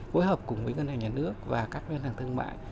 phối hợp cùng với ngân hàng nhà nước và các ngân hàng thương mại